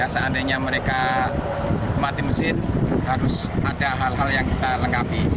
seandainya mereka mati mesin harus ada hal hal yang kita lengkapi